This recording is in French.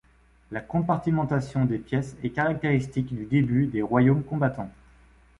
La compartimentation des pièces est caractéristique du début des Royaumes Combattants.